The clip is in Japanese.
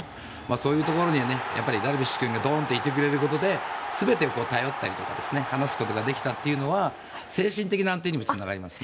そういうところにダルビッシュ君がドンといてくれることで全て頼ったり話すことができたというのは精神的な安定にもつながりますね。